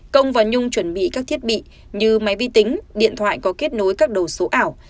công và nhung chuẩn bị các thiết bị như máy vi tính điện thoại có kết nối các đầu số ảo